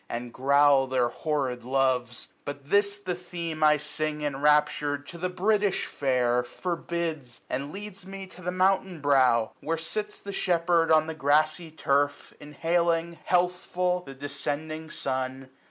And growl their horrid loves. But this the theme I sing, enraptured, to the British Fair, Forbids, and leads me to the mountain brow. Where sits the shepherd on the grassy turf, 830 Inhaling, healthful, the descending sun.